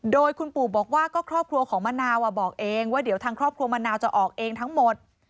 โดยคุณปู่บอกว่าก็ครอบครัวของมะนาวบอกเองว่าเดี๋ยวทางครอบครัวมะนาวจะออกเองทั้งหมด